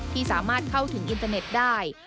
ที่สามารถเข้าถึงอินเตอร์เน็ตได้